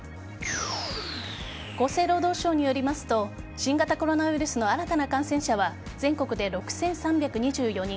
厚生労働省によりますと新型コロナウイルスの新たな感染者は全国で６３２４人